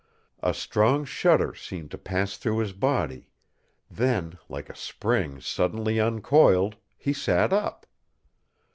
A strong shudder seemed to pass through his body, then, like a spring suddenly uncoiled, he sat up.